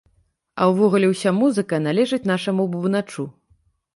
А ўвогуле ўся музыка належыць нашаму бубначу.